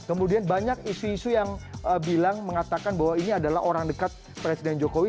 kemudian banyak isu isu yang bilang mengatakan bahwa ini adalah orang dekat presiden jokowi